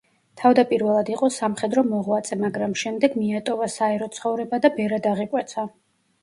თავდაპირველად იყო სამხედრო მოღვაწე, მაგრამ შემდეგ მიატოვა საერო ცხოვრება და ბერად აღიკვეცა.